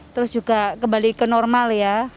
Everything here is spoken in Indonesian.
terus juga kembali ke normal ya